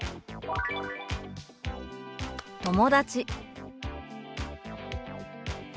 「友達」。